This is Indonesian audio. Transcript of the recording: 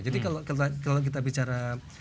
jadi kalau kita bicara